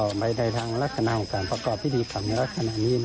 ออกไปในทางลักษณะของการประกอบที่ดีในลักษณะนี้